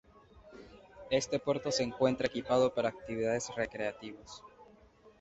Este puerto se encuentra equipado para actividades recreativas.